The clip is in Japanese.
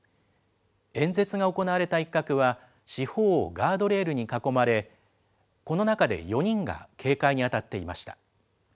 演説が行われた一角は、四方をガードレールに囲まれ、この中で４人が警戒に当たっていました。